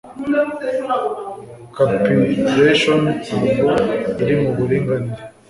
capitulation ntabwo iri muburinganire